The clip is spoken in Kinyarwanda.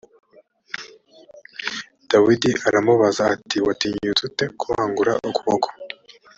dawidi aramubaza ati watinyutse j ute kubangurira ukuboko